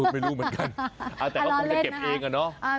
ไม่รู้เหมือนกันแต่ก็คงจะเก็บเองอะเนาะ